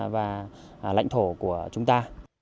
và lãnh thổ của chúng ta